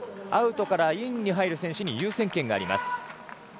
アウトからインに入る選手に優先権があります。